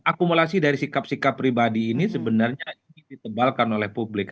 akumulasi dari sikap sikap pribadi ini sebenarnya ini ditebalkan oleh publik